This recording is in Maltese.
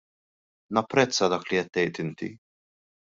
Napprezza dak li qed tgħid inti.